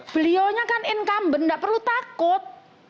beliau kan incumbent enggak perlu takut